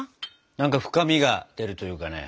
何か深みが出るというかね。